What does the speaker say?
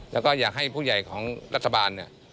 แล้วก็อยากให้ผู้ใหญ่ของรัฐบาลเนี่ย